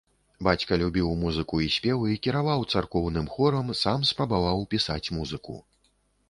Бацька любіў музыку і спевы, кіраваў царкоўным хорам, сам спрабаваў пісаць музыку.